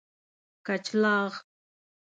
کچلاغ